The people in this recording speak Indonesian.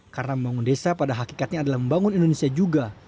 karena membangun desa pada hakikatnya adalah membangun indonesia juga